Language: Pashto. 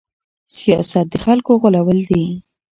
سياست د خلکو غولول دي.